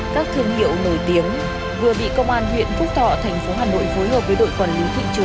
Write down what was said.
các thương hiệu nổi tiếng vừa bị công an huyện phúc thọ